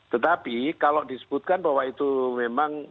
tetapi kalau disebutkan bahwa itu memang